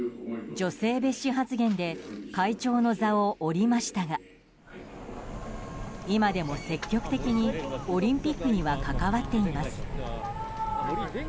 女性蔑視発言で会長の座を降りましたが今でも積極的にオリンピックには関わっています。